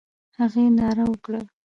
هغې ناره وکړه: